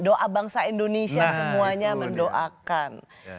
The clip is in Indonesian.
doa bangsa indonesia semuanya mendoakan